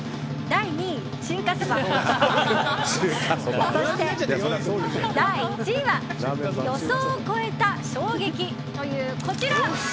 そして、第１位は予想を超えた衝撃というこちら。